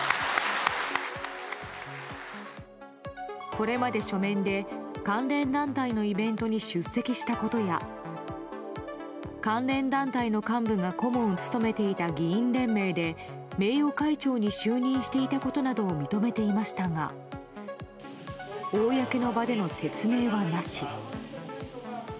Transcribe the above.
これまで書面で、関連団体のイベントに出席したことや関連団体の幹部が顧問を務めていた議員連盟で名誉会長に就任していたことなどを認めていましたが公の場での説明はなし。